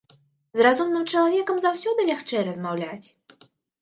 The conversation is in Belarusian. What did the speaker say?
З разумным чалавекам заўсёды лягчэй размаўляць.